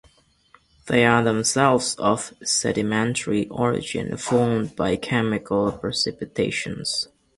They are themselves of sedimentary origin formed by chemical precipitation.